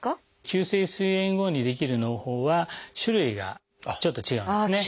急性すい炎後に出来るのう胞は種類がちょっと違うんですね。